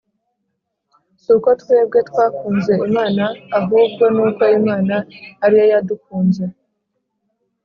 si uko twebwe twakunze Imana ahubwo ni uko Imana ari yo yadukunze,